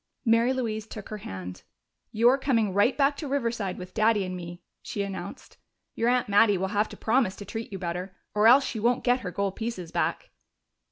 Mary Louise took her hand. "You're coming right back to Riverside with Daddy and me," she announced. "Your aunt Mattie will have to promise to treat you better, or else she won't get her gold pieces back!"